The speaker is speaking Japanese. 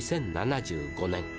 ２０７５年。